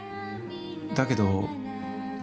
だけど。